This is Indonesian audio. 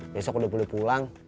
besok udah boleh pulang